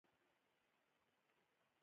آیا د وطن ساتنه فرض نه ده؟